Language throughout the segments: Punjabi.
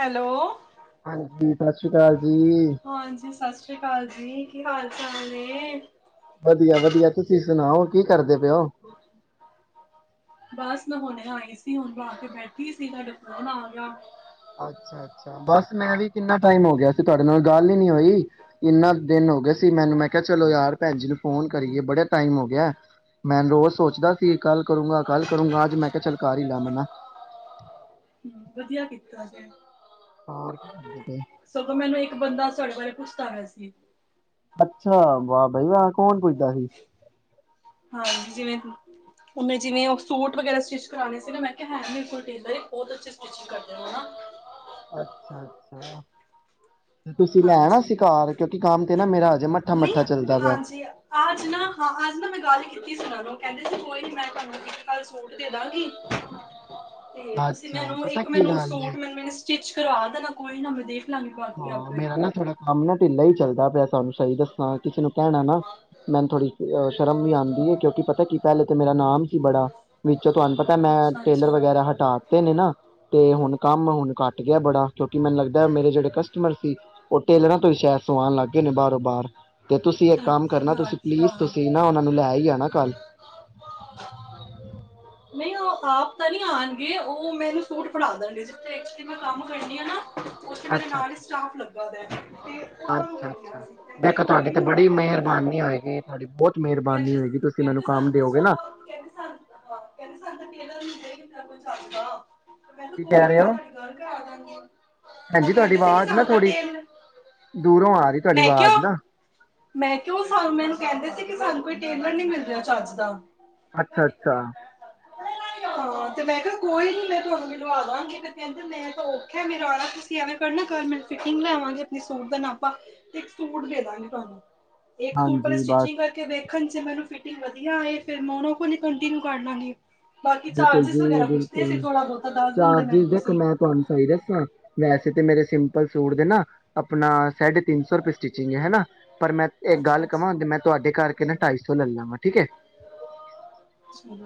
ਹੈਲੋ ਹਾਂਜੀ ਸਤਿ ਸ੍ਰੀ ਅਕਾਲ ਜੀ ਹਾਂਜੀ ਸਤਿ ਸ੍ਰੀ ਅਕਾਲ ਜੀ ਕੀ ਹਾਲ ਚਾਲ ਨੇ ਵਧੀਆ ਵਧੀਆ ਤੁਸੀਂ ਸੁਣਾਓ ਕੀ ਕਰਦੇ ਪਏ ਹੋ ਬਸ ਮੈਂ ਹੁਣੇ ਆਈ ਸੀ ਹੁਣ ਮੈਂ ਆ ਕੇ ਬੈਠੀ ਸੀ ਤੁਹਾਡਾ ਫੋਨ ਆ ਗਿਆ ਅੱਛਾ ਅੱਛਾ ਬਸ ਮੈਂ ਵੀ ਕਿੰਨਾ ਟਾਈਮ ਹੋ ਗਿਆ ਸੀ ਤੁਹਾਡੇ ਨਾਲ ਗੱਲ ਹੀ ਨੀ ਹੋਈ ਇੰਨਾ ਦਿਨ ਹੋ ਗਏ ਸੀ ਮੈਨੂੰ ਮੈਂ ਕਿਹਾ ਚਲੋ ਯਾਰ ਭੈਣ ਜੀ ਨੂੰ ਫੋਨ ਕਰੀਏ ਬੜੇ ਟਾਈਮ ਹੋ ਗਿਆ ਮੈਂ ਰੋਜ਼ ਸੋਚਦਾ ਸੀ ਕੱਲ ਕਰੂਗਾ ਕੱਲ ਕਰੂਗਾ ਅੱਜ ਮੈਂ ਕਿਹਾ ਚੱਲ ਕਰ ਹੀ ਲਾ ਮੰਨਾ ਹੂੰ, ਵਧੀਆ ਕੀਤਾ ਜੇ। ਔਰ ਕੀ ਕਰਦੇ ਪਏ। ਸਗੋਂ ਮੈਨੂੰ ਇੱਕ ਬੰਦਾ ਤੁਹਾਡੇ ਬਾਰੇ ਪੁੱਛਦਾ ਪਿਆ ਸੀ। ਅੱਛਾ ਵਾਹ ਬਈ ਵਾਹ ਕੌਣ ਪੁੱਛਦਾ ਸੀ? ਹਾਂਜੀ ਜਿਵੇਂ ਅ-ਓਨੇ ਜਿਵੇਂ ਸੂਟ ਵਗੈਰਾ ਸਟਿਚ ਕਰਾਣੇ ਸੀ ਨਾ, ਮੈਂ ਕਿਆ ਹੈ ਮੇਰੇ ਕੋਲ ਟੇਲਰ ਇੱਕ ਬਹੁਤ ਅੱਛੇ ਸਟਿਚਿੰਗ ਕਰਦੇ ਨੇ ਨਾ। ਅੱਛਾ ਅੱਛਾ। ਹਾਂਜੀ। ਨਾ ਮੇਰਾ ਹਜੇ ਨਹੀਂ ਮੱਠਾ-ਮੱਠਾ ਚੱਲਦਾ ਪਿਆ। ਹਾਂਜੀ, ਅੱਜ ਨਾ ਹਾਂ ਆਜ ਨਾ ਮੈਂ ਗੱਲ ਕੀਤੀ ਸੀ ਉਹਨਾਂ ਨੂੰ ਕਹਿੰਦੇ ਸੀ, ਕੋਈ ਨੀ ਮੈਂ ਤਾਨੂੰ ਇੱਕ ਕੱਲ ਸੂਟ ਦੇ ਦਾਂਗੀ ਤੇ ਤੁਸੀਂ ਅੱਛਾ, ਮੈਨੂੰ, ਪਤਾ ਇੱਕ ਕੀ ਮੈਨੂੰ ਗੱਲ ਏ ਸੂਟ ਮੈਨੂੰ ਮੈਨੂੰ ਸਟਿਚ ਕਰਵਾ ਦੇਣਾ, ਕੋਈ ਨਾ ਮੈਨੂੰ ਹਾਂ ਮੇਰਾ ਨਾ ਥੋੜਾ ਕੰਮ ਨਾ ਢਿੱਲਾ ਈ ਚੱਲਦਾ ਪਿਆ ਸ ਤੁਆਨੂੰ ਸਹੀ ਦੱਸਾਂ ਕਿਸੇ ਨੂੰ ਕਹਿਣਾ ਨਾ, ਮੈਨੂੰ ਥੋੜ੍ਹੀ ਅ ਸ਼ਰਮ ਵੀ ਆਂਦੀ ਐ, ਕਿਉਂਕਿ ਪਤਾ ਕੀ ਪਹਿਲੇ ਤੇ ਮੇਰਾ ਨਾਮ ਸੀ ਬੜਾ ਤੇ ਤੁਆਨੂੰ ਪਤਾ, ਮੈਂ ਅੱਛਾ ਟੇਲਰ ਅੱਛਾ, ਵਗੈਰਾ ਹਟਾਤੇ ਨੇ ਨਾ ਤੇ ਹੁਣ ਕੰਮ ਹੁਣ ਘੱਟ ਗਿਆ ਬੜਾ। ਕਿਉਂਕਿ ਮੈਨੂੰ ਲੱਗਦੈ ਮੇਰੇ ਜਿਹੜੇ ਕਸਟਮਰ ਸੀ, ਉਹ ਟੇਲਰਾਂ ਸ਼ਾਇਦ ਸਵਾਣ ਲੱਗ ਗਏ ਨੇ ਬਾਹਰੋਂ ਬਾਰ। ਤੇ ਤੁਸੀਂ ਇੱਕ ਕੰਮ ਕਰਨਾ, ਅੱਛਾ ਤੁਸੀਂ ਪਲੀਜ਼ ਅੱਛਾ। ਤੁਸੀਂ ਨਾ ਉਹਨਾ ਨੂੰ ਲੈ ਈ ਆਣਾ ਕੱਲ [inaudible] ਨਹੀਂ ਉਹ ਆਪ ਤਾਂ ਨੀ ਆਣਗੇ, ਉਹ ਮੈਨੂੰ ਸੂਟ ਫੜਾ ਦਣ ਗੇ। ਜਿੱਥੇ ਜਿੱਥੇ ਮੈਂ ਕੰਮ ਕਰਨੀ ਆ ਨਾ। ਓਥੇ ਮੇਰੇ ਅੱਛਾ ਨਾਲ ਈ ਅੱਛਾ ਸਟਾਫ ਲੱਗ ਬਦੈ ਅੱਛਾ ਅੱਛਾ। ਦੇਖੋ ਕੋਈ ਤੁਹਾਡੇ ਤੇ ਬੜੀ ਮਿਹਰਬਾਨੀ ਹੋਏਗੀ, ਤੁਹਾਡੀ ਬਹੁਤ ਮਿਹਰਬਾਨੀ ਕੈਂਦੇ ਸ ਹੋਏਗੀ ਤੁਸੀਂ ਮੈਨੂੰ ਕੈਂਦੇ ਕੰਮ ਸਾਨੂੰ ਦਿਓਗੇ ਨਾ ਸ-ਕ-ਕੈਂਦੇ ਸਾਨੂੰ ਤ-ਅ ਕੈਂਦੇ ਸਾਨੂੰ ਤਾ ਟੇਲਰ ਮਿਲ ਜੇਗੇ ਤ ਕੁ ਚੱਲਦਾ। ਮੈਨੂੰ ਕੋਈ ਨੀ ਮੈਂ ਤਾਡੀ ਗੱਲ ਕਰਾ ਦਾਂਗੀ [inaudible] ਹਾਂਜੀ ਤੁਹਾਡੀ ਕਹਿੰਦੇ ਸੀ ਕਿ ਵਾਜ਼ ਨਾ ਸਾਨੂੰ ਤਾਂ ਥੋੜ੍ਹੀ, ਟੇਲ ਦੂਰੋਂ ਆ ਰ ਮੈਂ ਕਿਆ ਮੈਂ ਕਿਉ ਸਾ ਮੈਨੂੰ ਕੈਂਦੇ ਸੀ ਕਿ ਸ ਸਾਨੂੰ ਕੋਈ ਟੇਲਰ ਨੀ ਮਿਲ ਰਿਹਾ ਚੱਜ ਦਾ। ਅੱਛਾ ਅੱਛਾ। ਹਾਂ ਤੇ ਮੈਂ ਕਿਆ ਕੋਈ ਨੀ ਮੈਂ ਤੁਹਾਨੂੰ ਮਿਲਵਾਂਦਾਂਗੀ ਤੇ ਕੈਂਦੇ ਮੈਂ ਤਾਂ ਔਖੈ, ਮੇਰਾ ਆਣਾ ਤੁਸੀਂ ਐਂਵੇ ਕਰਨਾ, ਕਲ ਮੈਂ ਫਿਟਿੰਗ ਲੈ ਆਵਾਂਗੇ, ਆਪਣੇ ਸੂਟ ਦਾ ਨਾਪਾ। ਤੇ ਇੱਕ ਸੂਟ ਦੇ ਦਾਂਗੇ ਤੁਆਨੂੰ। ਇੱਕ ਸੂਟ ਪੈਲੇ ਹਾਂਜੀ ਬਸ ਸਟਿਚਿੰਗ ਕਰਕੇ ਵੇਖ ਦੇਖਣ ਚ ਮੈਨੂੰ ਫਿਟਿੰਗ ਵਧੀਆ ਆਏ, ਫਿਰ ਮੈਂ ਉਹਨਾਂ ਕੋਲ ਈ ਕੰਟੀਨਿਊ ਕਰ ਲਾਂਗੀ। ਬਾਕੀ ਬਿਲਕੁਲ ਚਾਰਜਿਸ ਜੀ ਵਗੈਰਾ ਪੁੱਛਦੇ ਬਿਲਕੁਲ। ਸੀ ਥੋੜਾ ਬਹੁਤਾ ਦੱਸ ਦਿੰਦੇ ਮੈਨੂੰ ਚਾਰਜਿਸ ਦੇਖੋ ਤੁਸੀਂ ਮੈਂ ਤੁਆਨੂੰ ਸਹੀ ਦੱਸਾਂ, ਵੈਸੇ ਤੇ ਮੇਰੇ ਸਿੰਪ ਲ ਸੂਟ ਦੇ ਨਾ ਆਪਣਾ ਸਾਢੇ ਤਿੰਨ ਸੌ ਰੁਪਏ ਸਟਿਚਿੰਗ ਹੈ ਹਨਾ ਪਰ ਮੈਂ ਇੱਕ ਅੱਛਾ ਗੱਲ ਕਵਾਂ ਅੱਛਾ ਕੇ ਮੈਂ ਤੁਹਾਡੇ ਕਰਕੇ ਨਾ ਢਾਈ ਸੌ ਲੈ ਲਵਾਂ ਠੀਕ ਹੈ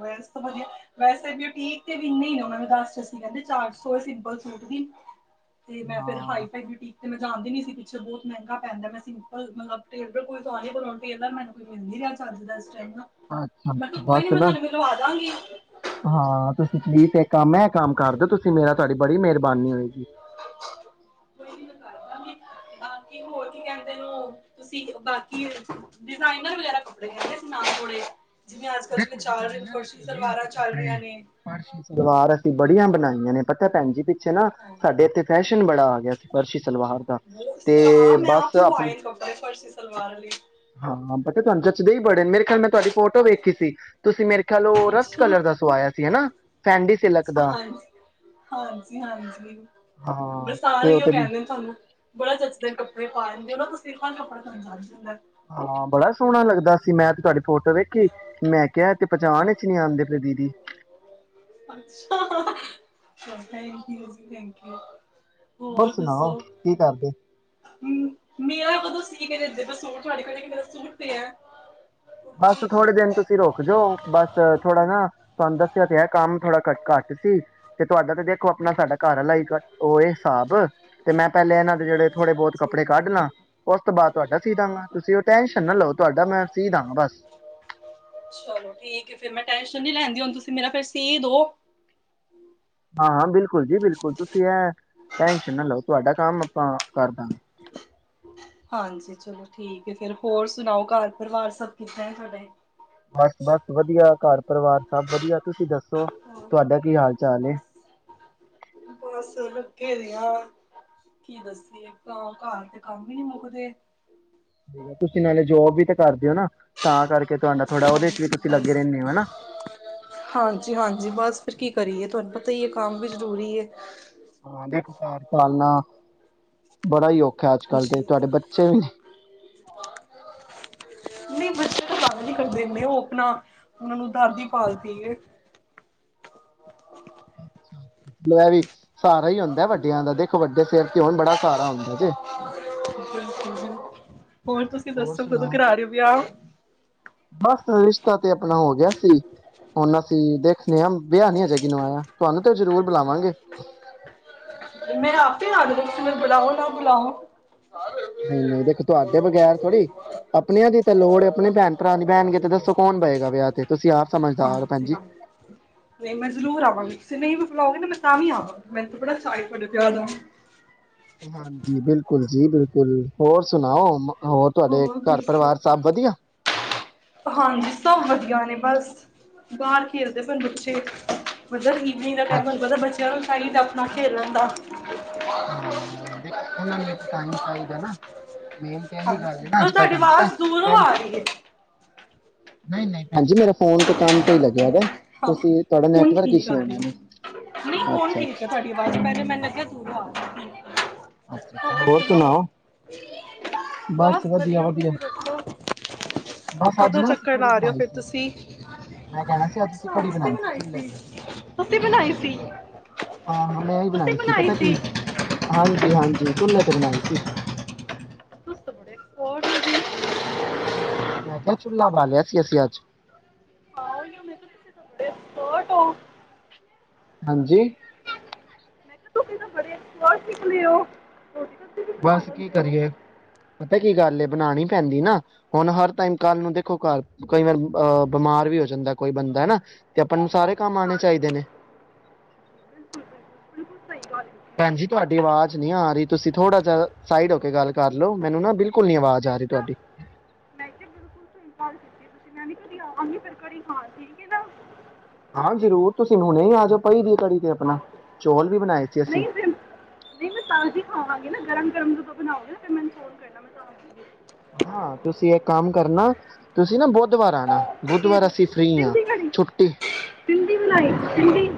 ਵੈਸ ਤਾਂ ਵਧੀਆ ਵੈਸੇ ਬਿਯੁਟੀਕ ਤੇ ਵੀੰ ਇਨੇ ਹੀ ਮੈਨੂੰ ਦੱਸ ਚਸੀ ਕਹਿੰਦੇ ਚਾਰ ਸੌ ਸਿੰਪਲ ਸੂਟ ਦੀ ਤੇ ਮੈਂ ਫਿਰ ਹਾਂ ਹਾਈ ਫਾਈ ਬਿਊਟੀ ਤੇ ਮੈਂ ਜਾਂਦੀ ਨੀ ਸੀ ਬਹੁਤ ਮਹਿੰਗਾ ਪੈਂਦਾ ਮੈਂ ਸਿੰਪਲ ਮਤਲਬ ਟੇਲਰ ਕੋਲ ਸੁਆਨੀ ਟੇਲਰ ਮੈਨੂੰ ਕੋਈ ਮਿਲ ਨੀ ਰਿਹਾ ਚੱਜ ਦਾ ਟਾਈਮ ਨਾ ਅੱਛਾ ਮੈਂ ਕਿਹਾ ਕੋਈ ਬਸ ਨੀ ਮੈਂ ਨਾ ਤਾਨੂੰ ਮੈਲੋਂ ਆ ਜਾਂਗੀ ਪਲੀਸ ਇਹ ਕੰਮ ਹੈ ਇਹ ਕੰਮ ਕਰ ਦਿਓ ਤੁਸੀਂ ਮੇਰਾ ਤੁਹਾਡੀ ਬੜੀ ਮਿਹਰਬਾਨੀ ਹੋਏਗੀ [unintelligible] ਬਾਕੀ ਹੋਰ ਕੀ ਕਹਿੰਦੇ ਨ ਤੁਸੀ ਬਾਕੀ ਡਿਜ਼ਾਈਨਰ ਵਗੈਰਾ ਕੱਪੜੇ ਕਹਿੰਦੇੋ ਸੀ ਨਾਲ ਥੋੜੇ ਜਿਵੇਂ ਅੱਜ ਕੱਲ੍ਹ ਜਿਵੇਂ ਚੱਲ ਰਹੀ ਫਰਸ਼ੀ ਸਲਵਾਰਾਂ ਚੱਲ ਰਹੀਆਂ ਨੇ ਸਲਵਾਰ ਅਸੀਂ ਬੜੀਆਂ ਬਣਾਈਆਂ ਨੇ ਪਤਾ ਭੈਣ ਜੀ ਪਿੱਛੇ ਨਾ ਹਾਂ ਸਾਡੇ ਇੱਥੇ ਫੈਸ਼ਨ ਬੜਾ ਆ ਗਿਆ ਸੀ ਫਰਸ਼ੀ ਸਲਵਾਰ ਦਾ ਤੇ ਹਾਂ ਮੈਂ ਆਪ ਬਸ ਆਪਣੇ ਸੁਆਏ ਨੇ ਕਪੜੇ ਫਰਸ਼ੀ ਸਲਵਾਰ ਆਲੀ ਮੈਂ ਕਿਹਾ ਤਵਾਂਨ ਜਦ ਬੜੇ ਨੇ ਮੇਰਾ ਖਿਆਲ ਮੈਂ ਤੁਹਾਡੀ ਫੋਟੋ ਵੇਖੀ ਸੀ ਤੁਸੀਂ ਮੇਰੇ ਖਿਆਲ ਉਹ ਰਸਟ ਅੱਛਾ ਕਲਰ ਦਾ ਸਵਾਇਆ ਸੀ ਹਨਾ ਫੈਂਡੀ ਸਿਲਕ ਦਾ ਹਾਂਜੀ ਹਾਂਜੀ ਹਾਂਜੀ ਪਰ ਹਾਂ ਤੇ ਸਾਰੇ ਹੀ ਉਹ ਤੇ ਕਹਿੰਦੇ ਨੇ ਤੁਹਾਨੂੰ ਬੜਾ ਜਚਦੇ ਨੇ ਕੱਪੜੇ ਪਾਏ ਨ। [unintelligible] ਹਾਂ ਬੜਾ ਸੋਹਣਾ ਲੱਗਦਾ ਸੀ ਮੈਂ ਤੇ ਤੁਹਾਡੀ ਫੋਟੋ ਵੇਖੀ ਮੈਂ ਕਿਹਾ ਐ ਤੇ ਪਚਾਣ ਈਚ ਨੀ ਆਂਦੀ ਪੈ ਦੀਦੀ। ਅਛਾ ਥੈਂਕਯੂ ਜੀ ਥੈਂਕਯੂ ਹੋਰ ਸੁਣਾਓ ਦੱਸੋ? ਕੀ ਕਰਦੇ ਮੇਰਾ ਕਦੋ [unintelligible] ਸੂਟ ਤੇ ਹੈ ਬਸ ਥੋੜੇ ਦਿਨ ਤੁਸੀਂ ਰੋਕ ਜੋ ਬਸ ਥੋੜਾ ਨਾ ਤੁਹਾਨੂੰ ਦੱਸਿਆ ਤੇ ਹੈ ਕੰਮ ਥੋੜਾ ਘ ਘੱਟ ਸੀ ਤੇ ਤੁਹਾਡਾ ਤੇ ਦੇਖੋ ਆਪਣਾ ਸਾਡਾ ਘਰ ਆਲਾ ਹੀ ਐ ਏ ਹਿਸਾਬ ਤੇ ਮੈਂ ਪਹਿਲੇ ਇਹਨਾਂ ਦੇ ਜਿਹੜੇ ਹਾਂਜੀ ਥੋੜੇ ਬਹੁਤ ਕੱੜੇ ਕੱਢਲਾ ਹਾਂਜੀ ਉਸ ਤੋਂ ਬਾਅਦ ਤੁਹਾਡਾ ਸੀਦਾਗਾਂ ਤੁਸੀਂ ਉਹ ਟੈਂਸ਼ਨ ਨਾ ਲਓ ਤੁਹਾਡਾ ਮੈਂ ਸੀਦਾਂ ਚਲੋ ਠੀਕ ਏ ਫੇਰ ਮੈਂ ਟੈਸ਼ਨ ਨੀ ਲੈਂਦੀ ਤੁਸੀਂ ਮੇਰਾ ਫੇਰ ਸੀ ਦੋ। ਹਾਂ ਹਾਂ ਬਿਲਕੁਲ ਜੀ ਬਿਲਕੁਲ ਤੁਸੀਂ ਇਹ ਟੈਨਸ਼ਨ ਨਾ ਲਓ ਤੁਹਾਡਾ ਕੰਮ ਆਪਾਂ ਕਰਦਾ ਹਾਂਜੀ ਚਲੋ ਠੀਕ ਹੈ ਫੇਰ ਹੋਰ ਸੁਣਾਓ ਘਰ ਪਰਿਵਾਰ ਸਭ ਕਿੱਦਾਂ ਹੈ ਤੁਹਾਡੇ? ਬਸ ਬਸ ਵਧੀਆ ਘਰ। ਪਰਿਵਾਰ ਸਭ ਵਧੀਆ ਤੁਸੀਂ ਤੁਹਾਡਾ ਕੀ ਹਾਲ ਚਾਲ ਏ ਬਸ ਗਾ ਕੀ ਦੱਸੀ ਘ ਘਰ ਦੇ ਕੰਮ ਹੀ ਨਹੀਂ ਮੁੱਕਦੇ। ਠੀ ਤੁਸੀਂ ਨਾਲੇ ਜੋਬ ਵੀ ਤਾਂ ਕਰਦੇ ਹੋ ਨਾ ਤਾਂ ਕਰਕੇ ਤੁਹਾਡਾ ਥੋੜਾ ਉਹਦੇ ਹਾਂਜੀ ਵੀ ਤੁਸੀਂ ਲੱਗੇ ਬਸ ਰਹਿੰਦੇ ਹੋ ਹਨਾ ਹਾਂਜੀ ਹਾਂਜੀ ਬਸ ਫਿਰ ਕੀ ਕਰੀਏ ਤੁਹਾਨੂੰ ਪਤਾ ਹੀ ਹੈ ਕੰਮ ਵੀ ਜ਼ਰੂਰੀ ਏ ਹਾਂ [unintelligible] ਪਾਲਣਾ ਬੜਾ ਹੀ ਔਖਾ ਅੱਜ ਕੱਲ ਦੇ ਜੀ ਤੁਹਾਡੇ ਬੱਚੇ ਵੀ ਨੇ ਨਈ ਬੱਚੇ ਤਾਂ ਤੰਗ ਨੀ ਕਰਦੇ [unintelligible] ਨਹੀ ਬੱਚੇ ਤ ਉਹ ਆਪਣਾ ਉਹਨਾਂ ਨੂੰ ਦਾਦੀ ਪਾਲਦੀ ਹੈ। ਮੈ ਵੀ [inaudible] ਸਾਰਾ ਹੀ ਈ ਹੁੰਦਾ ਵੱਡਿਆਂ ਦਾ ਦੇਖੋ ਵੱਡੇ ਸਿਰ ਤੇ ਹੋਣ ਬੜਾ ਸਾਰਾ ਹੁੰਦਾ ਜੇ ਬਿਲਕੁਲ ਬਿਲਕੁਲ ਤੁਸੀਂ ਹੋਰ ਦੱਸੋ ਸੁਣਾ, ਕਦੋਂ ਕਰਾ ਰਹੇ ਹੋ ਵਿਆਹ ਬਸ ਰਿਸ਼ਤਾ ਤੇ ਆਪਣਾ ਹੋ ਗਿਆ ਸੀ, ਹੁਣ ਅਸੀਂ ਦੇਖਦੇ ਹਾਂ ਵਿਆਹ ਨੀ ਅਜੇ ਕਰਾਇਆ ਤੁਹਾਨੂੰ ਤੇ ਜ਼ਰੂਰ ਬੁਲਾਵਾਂਗੇ ਮੈ ਆਪੇ ਆਊ [unintelligible] ਬੁਲਾਓ ਨਾ ਬੁਲਾਓ ਨਹੀਂ ਨਹੀਂ ਦੇਖੋ ਤੁਹਾਡੇ ਬਗੈਰ ਥੋੜ੍ਹੀ, ਆਪਣਿਆਂ ਦੀ ਤਾਂ ਲੋੜ ਆਪਣੇ ਭੈਣ ਭਰਾ ਦੀ ਬੈਣਗੇ ਤੇ ਦੱਸੋ ਕੌਣ ਬਏਗਾ ਵਿਆਹ ਤੇ ਤੁਸੀਂ ਆਪ ਸਮਝਦਾਰ ਓ ਹਾਂਜੀ ਭੈਣਜੀ। ਹਾਂ ਨਹੀਂ ਮੈਂ ਜ਼ਰੂਰ ਆਵਾਂਗੀ ਤੁਸੀਂ ਨਹੀਂ ਵੀ ਬੁਲਾਓਗੇ ਨਾ ਮੈਂ ਤਾਂ ਵੀ ਆਵਾਗੀ ਮੈਨੂੰ ਤਾਂ ਬੜਾ ਚਾ ਐ। ਤੁਹਾਡੇ ਵਿਆਹ ਦਾ [unintelligible] ਹਾਂਜੀ ਬਿਲਕੁਲ ਜੀ ਬਿਲਕੁਲ, ਹੋਰ ਸੁਣਾਓ ਮ ਹੋਰ ਤੁਹਾਡੇ ਘਰ ਪਰਿਵਾਰ ਸਭ ਵਧੀਆ ਹਾਂਜੀ ਸਭ ਵਧੀਆ ਨੇ ਬਸ ਬਾਹਰ ਖੇਲਦੇ ਸੀ ਬੱਚੇ ਪਤਾ ਕੀ ਇੰਨਾ ਟਾਈਮ ਤੁਹਾਨੂੰ ਪਤਾ ਬੱਚਿਆਂ ਨੂੰ ਸਾਹਿਲ ਆਪਣਾ ਖੇਲ ਲੈਂਦਾ ਹਾਂ ਦੇਖੋ ਉਹਨਾਂ ਨੂੰ ਵੀ ਤੇ ਟਾਈਮ ਚਾਹੀਦਾ ਨਾ ਮੇਨ ਤਾਂ ਇਹੀ ਗੱਲ ਹਾਂਜੀ ਹੈ ਨਾ ਅੱਜ ਕੱਲ ਤੁਹਾਡੀ ਤੁਹਾਨੂੰ ਪਤਾ ਆਵਾਜ਼ ਦੂਰੋਂ ਆ ਰਹੀ ਹੈ ਨਹੀਂ ਨਹੀਂ ਭੈਣੀ ਜੀ ਫੋਨ ਤੇ ਕੰਮ ਤੇ ਹੀ ਲੱਗਿਆ ਵੇ ਹਾਂ ਹੁਣ ਠੀਕ ਆ ਰਹੀ ਨਹੀਂ ਹੁਣ ਅੱਛਾ ਠੀਕ ਆ ਅੱਛਾ ਤੁਹਾਡੀ ਆਵਾਜ਼ ਪਹਿਲਾ ਮੈਨੂੰ ਲੱਗਿਆ ਦੂਰੋ ਆ ਰਹੀ ਹੈ। ਅੱਛਾ ਅੱਛਾ ਹੋਰ ਸੁਣਾਓ ਬਸ ਵਧੀਆ ਵਧੀਆ ਬਸ ਅੱਜ ਕਦੋਂ ਨਾ ਅਸੀਂ ਚੱਕਰ ਕੜੀ ਲਾ ਰਹੇ ਹੋ ਬਣਾਈ ਫਿਰ ਸੀ ਤੁਸੀਂ ਮੈਂ ਕਹਿਣਾ ਸੀ ਅੱਜ ਅੱਛਾ ਕੜੀ ਤੁਸੀਂ ਬਣਾਈ ਚੁੱਲੇ ਸੀ ਤੇ ਤੁਸੀਂ ਨਹੀਂ ਬਣਾਈ ਨਹੀਂ ਸੀ ਚੁੱਲੇ ਤੇ ਹਾਂ ਹਾਂ ਮੈਂ ਬਨਾਈ ਸੀ ਚੁੱਲੇ ਤੇ ਬਣਾਈ ਪਤਾ ਕੀ ਪਤਾ ਕੀ ਹਾਂਜੀ ਜੀ ਹਾਂਜੀ ਹਾਂਜੀ ਚੁੱਲੇ ਤੇ ਬਣਾਈ ਸੀ ਤੁਸੀ ਤਾ ਬੜੇ ਕੋਡ ਨਿਕਲੇ ਮੈਂ ਕਿਹਾ ਚੁੱਲਾ ਬਾਲਿਆ ਸੀ ਅਸੀਂ ਅੱਜ ਆਹੋ ਮੈ ਕਿਹਾ ਤੁਸੀ ਤਾ ਬੜੇ ਐਕਸਪਟ ਹੋ ਹਾਂਜੀ ਤੁਸੀ ਤਾਂ ਬੜੇ ਐਕਸਪਟ [unintelligible] ਹੋ ਰੋਟੀ ਸਬਜ਼ੀ ਵੀ ਬਣਾ ਬਸ ਕੀ ਲੈਂਦੇ ਹੋ ਕਰੀਏ ਪਤਾ ਕੀ ਕੀ ਗੱਲ ਬਣਾਉਣੀ ਪੈਂਦੀ ਨਾ ਹੁਣ ਹਰ ਟਾਈਮ ਕੱਲ੍ਹ ਨੂੰ ਦੇਖੋ ਘਰ ਕਈ ਵਾਰ ਅਹ ਬਿਮਾਰ ਵੀ ਹੋ ਜਾਂਦਾ ਕੋਈ ਬੰਦਾ ਹਨਾ ਤੇ ਆਪਾਂ ਨੂੰ ਸਾਰੇ ਕੰਮ ਆਣੇ ਹਾਂਜੀ ਚਾਹੀਦੇ ਨੇ ਤੁਹਾਨੂੰ ਭੈਣਜੀ ਤੁਹਾਡੀ ਆਵਾਜ਼ ਨਹੀਂ ਆ ਰਹੀ ਤੁਸੀਂ ਥੋੜ੍ਹਾ ਜਿਹਾ ਸਾਈਡ ਹੋ ਕੇ ਗੱਲ ਕਰਲੋ ਮੈਨੂੰ ਨਾ ਬਿਲਕੁਲ ਨੀ ਆਵਾਜ਼ ਮੈਂ ਆ ਰਹੀ ਕਿਹਾ ਤੁਹਾਡੀ ਮੈਂ ਕਿਹਾ ਬਿਲਕੁਲ ਮੈਂ ਵੀ ਕਦੀ ਆਵਾਂਗੀ ਫੇਰ ਕੜੀ ਖਾਣ ਠੀਕ ਹੈ ਨਾ ਹਾਂ ਜਰੂਰ, ਤੁਸੀਂ ਹੁਣੇ ਹੀ ਆਜਾਓ ਭਾਈ ਜੀ ਨਹੀਂ ਫਿਰ ਨਹੀਂ ਮੈਂ ਤਾਜ਼ੀ ਖਾਵਾਂਗੀ ਨਾ ਗਰਮ ਗਰਮ ਜਦੋਂ ਬਣਾਓਗੇ ਫਿਰ ਮੈਨੂੰ ਫੋਨ ਕਰਨਾ ਹਾਂ ਤੁਸੀਂ ਇੱਕ ਕੰਮ ਕਰਨਾ ਤੁਸੀਂ ਨਾ ਬੁੱਧਵਾਰ ਆਉਣਾ ਬੁੱਧਵਾਰ ਕਿਹੜੀ ਅਸੀਂ ਫ੍ਰੀ ਆਂ ਸਿੰਧੀ ਕੜੀ ਛੁੱਟੀ ਸਿੰਧੀ ਬਣਾਈ ਸੀ ਸਿੰਧੀ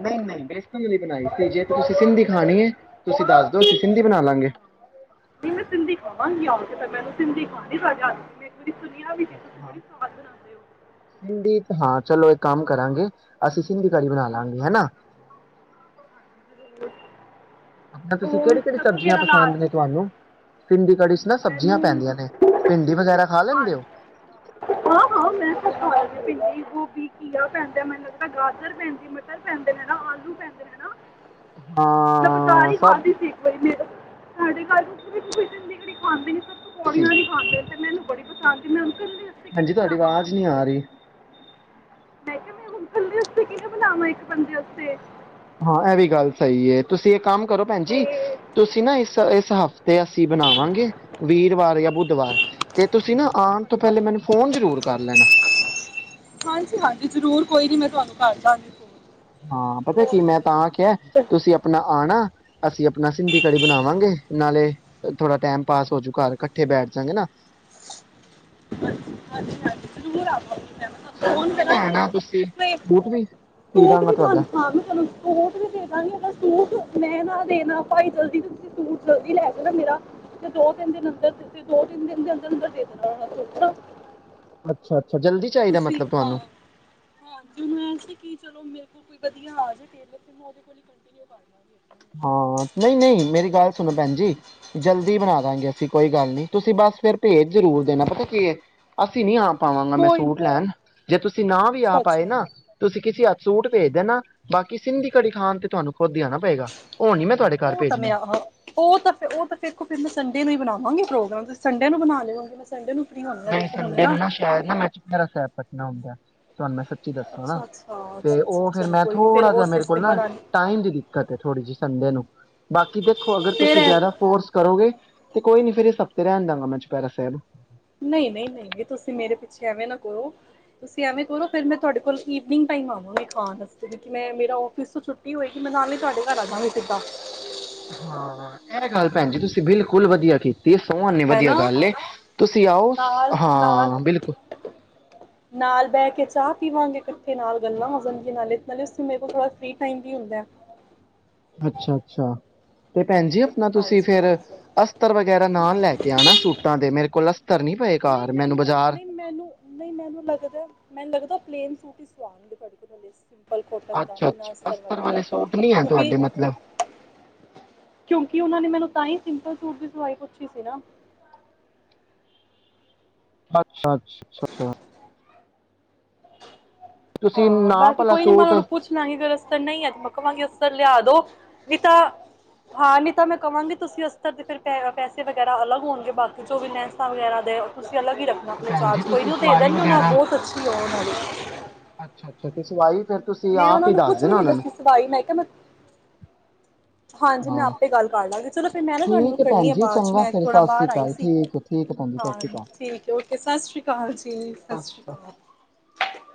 ਨਹੀਂ ਨਹੀਂ ਬਿਸਤ ਬਣਾਈ ਸੀ ਜੇ ਤੁਸੀਂ ਸਿੰਧੀ ਖਾਣੀ ਹੈ ਤੁਸੀਂ ਦੱਸ ਦੋ ਤੋ ਅਸੀਂ ਸਿੰਦੀ ਬਣਾ ਲਾਂਗੇ ਕੜੀ ਖਾਵਾਂਗੀ ਆਕੇ, ਤੇ ਫਿਰ ਮੈਨੂੰ ਸਿੰਦੀ ਖਣੀ ਤੁਹਾਡੇ ਹੱਥ ਦੀ ਅੱਛਾ ਹਾਂ ਸਿੰਦੀ ਹਾਂ ਚਲੋ ਇੱਕ ਕੰਮ ਕਰਾਂਗੇ ਅਸੀਂ ਸਿੰਦੀ ਕੜੀ ਬਣਾ ਲਾਂਗੇਹੈ ਨਾ ਹ [inaudible] ਆਪਣਾ ਤੁਸੀਂ ਕਿਹੜੀ ਕਿਹੜੀ ਸਬਜ਼ੀਆਂ ਪਸੰਦ ਨੇ ਤੁਹਾਨੂੰ ਸਿੰਦੀ ਕੜੀ ਚ ਨਾ ਸਬਜ਼ੀਆਂ ਮੈਨੂੰ ਪੈਂਦੀਆਂ ਨੇ ਭਿੰਡੀ ਵਗੈਰਾ ਖਾ ਲੈਂਦੇ ਹੋ ਖਾ ਲੈਂਦੀ ਭਿੰਡੀ ਗੋਭੀ ਘੀਆ ਪੈਂਦਾ ਮੈਨੂੰ ਲੱਗਦਾ ਗਾਜਰ ਪੈਂਦੀ ਮਟਰ ਪੈਂਦੇ ਨੇ ਨਾ ਆਲੂ ਪੈਂਦੇ ਨੇ ਨਾ ਮੈਂ ਬਜ਼ਾਰ ਹਾਂ ਹੀ ਸਭ ਖਾਧੀ ਸੀ ਇੱਕ ਵਾਰੀ ਮੈਂ ਸਾਡੇ ਘਰਔ ਫਰੀਜ਼ ਵਿਚ ਦੀ ਜੜੀ ਕਾਂਦੀ ਸੀ ਪਕੌੜੀਆਂ ਦਿਖਾਂਦੇ ਤੇ ਮੈਨੂੰ ਬੜੀ [unintelligible] ਕਿਵੇਂ ਹਾਂਜੀ ਤੁਹਾਡੀ ਬਣਾਵਾਂ ਆਵਾਜ਼ ਨਹੀਂ ਭਿੰਡੀ ਆ ਕੜੀ ਰਹੀ ਮੈਂ ਕੇਹਾ ਮੈਂ ਹੁਣ ਥੱਲੇ ਉਤੇ ਕਿੰਵੇਂ ਬਣਾਵਾਂ ਇਕ ਬੰਦੇ ਵਾਸਤੇ ਹਾਂ ਇਹ ਵੀ ਗੱਲ ਸਹੀ ਹੈ ਤੁਸੀਂ ਇਹ ਕੰਮ ਕਰੋ ਅਤੇ ਭੈਣਜੀ ਤੁਸੀਂ ਨਾ ਇਸ ਇਸ ਹਫ਼ਤੇ ਤੇ ਅਸੀਂ ਬਣਾਵਾਂਗੇ ਵੀਰਵਾਰ ਜਾਂ ਬੁੱਧਵਾਰ ਤੇ ਤੁਸੀਂ ਨਾ ਆਉਣ ਤੋਂ ਅੱਛਾ ਪਹਿਲੇ ਮੈਨੂੰ ਅੱਛਾ ਫੋਨ ਜ਼ਰੂਰ ਕਰ ਲੈਣਾ ਘਰ ਜਾਣ ਦੇ ਸੇ ਹੁਣ ਹਾਂ ਪਤਾ ਕੀ ਮੈਂ ਤਾਂ ਕੇਹਾ ਤੁਸੀਂ ਆਪਣਾ ਆਣਾ ਅਸੀਂ ਆਪਣਾ ਸਿੰਧੀ ਕੜੀ ਬਣਾਵਾਂਗੇ ਨਾਲੇ ਥੋੜਾ ਟਾਈਮ ਪਾਸ ਹੋਜੂ ਘਰ ਇਕੱਠੇ ਬੈਠ ਜਾਗੇ ਨਾ ਹਾਂਜੀ ਹਾਂਜੀ ਜ਼ਰੂਰ ਆਵਾਂਗੇ ਸੂਟ ਫੋਨ ਵੀ ਲੈ ਕਰਾਂਗੀ ਆਣਾ ਤੁਸੀਂ ਬੂਟ ਵੀ ਸੀ ਸੂਟ ਦਾਂਗਾ ਵੀ ਤੁਹਾਂ ਮੈਂ ਤੁਹਾਡਾ ਤੁਹਾਨੂੰ ਸੂਟ ਵੀ ਦੇ ਦਾਂਗੀ ਸੂਟ ਮੈਂ ਨਾ ਦੇਣਾ ਭਾਈ ਜਲਦੀ ਤੁਸੀਂ ਸੂਟ ਜਲਦੀ ਲੈ ਜਾਣਾ ਮੇਰਾ ਤੇ ਦੋ ਤਿਨ ਅੰਦਰ ਦੋ ਤਿੰਨ ਦਿਨ ਦੇ ਅੰਦਰ ਅੰਦਰ ਦੇ ਦੇਣਾ [unintelligible] ਅੱਛਾ ਅੱਾ ਤੁਸੀ ਹਾ, ਮੈਂਨੂ ਐ ਸੀ ਕੀ ਚਲੋ ਮਿਲਦੇ ਕੋਈ ਵਧਿਆ ਆ ਜਾਏ ਟੇਲਰ ਤੇ ਮੈਂ ਔਧੇ ਕੋਲੋਂ ਹੀ ਕੁੜਤੀ ਤੇ ਔ ਕਰ ਲਾਂਗੇ ਹਾਂ ਨਹੀਂ ਨਹੀਂ ਮੇਰੀ ਗੱਲ ਸੁਣੋ ਭੈਣ ਜੀ ਜਲਦੀ ਬਣਾ ਦਾਂਗੇ ਅਸੀਂ ਕੋਈ ਗੱਲ ਨੀ ਤੁਸੀਂ ਬਸ ਫਿਰ ਭੇਜ ਜ਼ਰੂਰ ਦੇਣਾ ਪਤਾ ਕੀ ਹੈ, ਅਸੀ ਤੇ ਨੀ ਆ ਪਾਵਾਂਗਾ ਮੈਂ ਕੋਈ ਸੂਟ ਲੈਣ ਜੇ ਤੁਸੀਂ ਨਾ ਵੀ ਆ ਅੱਛਾ ਪਾਏ ਅੱਛਾ ਨਾ ਤੁਸੀਂ ਕਿਸੇ ਸੂਟ ਭੇਜ ਦੇ ਨਾ ਬਾਕੀ ਸਿੰਧੀ ਘੜੀ ਖਾਣ ਤੇ ਤੁਹਾਨੂੰ ਖੁਦ ਹੀ ਆਣਾ ਪਏਗਾ ਉਹ ਨੀ ਮੈਂ ਤੁਹਾਡੇ ਘਰ ਉਹ ਤਾਂ ਮੈਂ ਭੇਜਣੀ ਆਹਾਂ ਉਹ ਤਾਂ ਫਿਰ ਉਹ ਤਾਂ ਵੇਖੋ ਫਿਰ ਮੈਂ ਸੰਡੇ ਨੂੰ ਹੀ ਬਣਾ ਵਾਗੀ ਪ੍ਰੋਗਰਾਮ ਤੁਸੀਂ ਸੰਡੇ ਨੂੰ ਬਣਾ ਰਹੇ ਹੋਣਗੇ। ਨਹੀਂ ਸੰਡੇ ਨੂੰ ਨਾ ਸ਼ਾਇਦ ਨਾ ਮੈਂ ਚੁਪਹਿਰਾ ਸਾਹਿਬ ਕਟਨਾ ਹੁੰਦਾ ਤੁਹਾਨੂੰ ਮੈਂ ਸੱਚੀ ਦੱਸਾਂ ਨਾ ਅੱਛਾ ਅੱਛਾ ਅੱਛਾ ਅੱਛਾ ਉਹ ਫਿਰ ਚਲੋ ਮੈਂ ਕੋਈ ਨਹੀਂ ਫਿਰ ਥੋੜ੍ਹਾ ਜਿਹਾ ਉਸ ਮੇਰੇ ਸਸਤੇ ਕੋਲ ਨਾ ਮਨਾਲੀ ਟਾਈਮ ਦੀ ਦਿੱਕਤ ਹੈ ਥੋੜ੍ਹੀ ਜਿਹੀ ਸੰਡੇ ਨੂੰ, ਬਾਕੀ ਦੇਖੋ ਅਗਰ ਫਿਰ ਤੁਸੀਂ ਜ਼ਿਆਦਾ ਫੋਰਸ ਕਰੋਗੇ ਤੇ ਕੋਈ ਨੀ ਫਿਰ ਇਸ ਹਫ਼ਤੇ ਰਹਿਣ ਦਾਗਾਂ ਮੈਂ ਚੁਪਹਿਰਾ ਸਾਹਿਬ। ਨਹੀਂ ਨਹੀਂ ਨਹੀਂ ਨਹੀਂ ਤੁਸੀਂ ਮੇਰੇ ਪਿੱਛੇ ਐਵੇਂ ਨਾ ਕਰੋ ਤੁਸੀਂ ਐਵੇਂ ਕਰੋ ਫਿਰ ਮੈਂ ਤੁਹਾਡੇ ਕੋਲ ਈਵਨਿੰਗ ਟਾਈਮ ਆਵਾਂਗੀ ਖਾਣ ਵਾਸਤੇ ਕਿਉਂਕਿ ਮੈਂ ਮੇਰਾ ਔਫਿਸ ਤੋਂ ਛੁੱਟੀ ਹੋਏਗੀ ਮੈਂ ਨਾਲ ਹੀ ਤੁਹਾਡੇ ਘਰ ਆਵਾਂਗੀ ਸਿੱਧਾ ਹਾਂ, ਇਹ ਗੱਲ ਭੈਣ ਜੀ ਤੁਸੀਂ ਬਿਲਕੁਲ ਵਧੀਆ ਕੀਤੀ। ਸੋਹਣੀ ਵਧੀਆ ਹੈਨਾ ਗੱਲ ਏ, ਤੁਸੀਂ ਆਓ ਨਾਲ ਨਾਲ ਹਾਂ ਬਿਲਕੁਲ। ਨਾਲ ਬਹਿ ਕੇ ਚਾਹ ਪੀਵਾਂਗੇ ਇਕੱਠੇ, ਨਾਲ ਗੱਲਾਂ ਹੋ ਜਾਂਦੀਆਂ ਨਾਲੇ- ਨਾਲੇ ਉਸੇ ਮੇਰੇ ਕੋਲ ਥੋੜਾ ਫਰੀ ਟਾਈਮ ਵੀ ਹੁੰਦਾ ਹੈ। ਅੱਛਾ ਅੱਛਾ। ਤੇ ਭੈਣ ਜੀ ਆਪਣਾ ਤੁਸੀਂ ਹਾਂਜੀ ਫਿਰ ਹਾਂਜੀ ਅਸਤਰ ਵਗੈਰਾ ਨਾਲ ਲੈ ਕੇ ਆਣਾ ਸੂਟਾਂ ਦੇ ਮੇਰੇ ਕੋਲ ਅਸਤਰ ਨੀ। ਪਏ ਨਹੀਂ ਘਰ ਮੈਨੂੰ, ਬਾਜ਼ਾਰ ਨਹੀਂ ਮੈਨੂੰ, ਨਹੀਂ ਮੈਨੂੰ ਲੱਗਦਾ, ਮੈਨੂੰ ਲੱਗਦਾ ਪਲੇ ਨ ਸੂਟੀ ਹੀ ਸਵਾਨੇ ਜਿਹੜੇ ਤੁਹਾਡੇ ਤੋਂ ਲਏ ਸੀ। ਅੱਛਾ ਅੱਛਾ ਅਸਤਰ ਵਾਲੇ ਸੂਟ ਨਹੀਂ ਹੈ ਕਿਉਂਕਿ ਤੁਹਾਡੇ ਮਤਲਬ। ਕਿਉਂਕਿ, ਉਹਨਾਂ ਨੇ ਮੈਨੂੰ ਤਾਂ ਹੀ ਸਿੰਪਲ ਸੂਟ ਦੀ ਸਵਾਈ ਪੁੱਛੀ ਸੀ ਨਾ। ਹਾਂ ਅੱਛਾ ਅੱਛਾ। ਤੁਸੀਂ ਹਾਂ ਨਾਪ ਬਾਕੀ ਆਲਾ ਕੋਈ ਨੀ ਮੈੰ ਉਹ ਸੂਟ ਨੂੰ ਤੇ ਪੁੱਛ ਲਵਾਂਗੀ ਅਗਰ ਅਸਤਰ ਨਹੀਂ ਹੈ, ਮੈਂ ਕਵਾਂਗੀ ਅਸਤਰ ਲਿਆ ਦੋ ਨਹੀਂ ਤਾਂ, ਹਾਂ ਨਹੀਂ ਤਾਂ ਮੈਂ ਕਵਾਂਗੀ ਤੁਸੀਂ ਅਸਤਰ ਦੇ ਫਿਰ ਪੈਸੇ ਵਗੈਰਾ ਅਲੱਗ ਹੋਣਗੇ ਬਾਕੀ ਜੋ ਵੀ ਲੈਸਾਂ ਵਗੈਰਾ ਦੇ ਅਲੱਗ ਹੀ ਰੱਖਣਾ ਆਪਣੇ ਭੈਣ ਜੀ ਚਾਰਜ ਕੋਈ ਤੁਸੀਂ ਨਾ ਉਹ ਦੇ ਸਵਾਈ ਦੇਣਗੇ ਵਗੈਰਾ ਬਹੁਤ ਅੱਛੀ ਆ ਉਹ ਅੱਛਾ -ਅੱਛਾ ਤੇ ਸਵਾਈ? ਫਿਰ ਤੁਸੀਂ ਮੈਂ ਆਪ ਉਹਨਾਂ ਹੀ ਨੂੰ ਦੱਸ ਕੁਛ ਵੀ ਦੇਣਾ ਨੀ ਉਹਨਾਂ ਨੂੰ ਦਸੀ ਸਵਾਈ ਮੈਂ ਕਿਹਾ ਮੈਂ ਹਾਂਜੀ ਮੈਂ ਹਾਂ ਆਪੇ ਗੱਲ ਕਰ ਲਵਾਂਗੇ, ਚਲੋ ਫਿਰ ਮੈਂ ਨਾ ਤੁਹਾਨੂੰ ਠੀਕ ਹੈ ਕਰਨੀ ਭੈਣ ਆ ਜੀ ਬਾਅਦ ਚ ਚੰਗਾ ਮੈਂ ਫਿਰ ਥੋੜ੍ਹਾ ਸਤਿ ਸ੍ਰੀ ਬਾਹਰ ਆਈ ਅਕਾਲ ਸੀ ਠੀਕ ਠੀਕ ਹੈ ਭੈਣ ਜੀ ਸਤਿ ਹਾਂ ਸ੍ਰੀ ਅਕਾਲ ਠੀਕ ਹੈ ਓਕੇ ਸਤਿ ਸ਼੍ਰੀ ਅਕਾਲ ਜੀ, ਸਤਿ ਸ੍ਰੀ ਸ਼੍ਰੀ ਅਕਾਲ ਅਕਾਲ।